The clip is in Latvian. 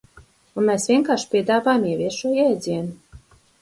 Un mēs vienkārši piedāvājam ieviest šo jēdzienu.